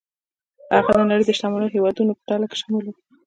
هغه د نړۍ د شتمنو هېوادونو په ډله کې شامل و.